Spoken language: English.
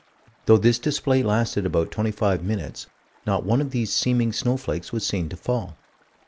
Though this display lasted about twenty five minutes, not one of these seeming snowflakes was seen to fall.